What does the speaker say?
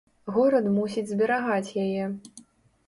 Горад мусіць зберагаць яе.